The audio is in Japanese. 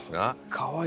あかわいい。